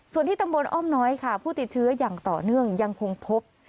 ส่วนที่ตำบลอ้อมน้อยค่ะผู้ติดเชื้ออย่างต่อเนื่องยังคงพบ